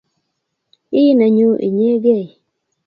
Ii nenyu inyegei